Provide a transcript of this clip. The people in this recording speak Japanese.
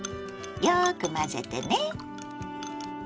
よく混ぜてね。